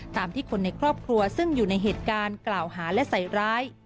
ตามที่คนในครอบครัวซึ่งอยู่ในเหตุการณ์กล่าวหาและใส่ร้าย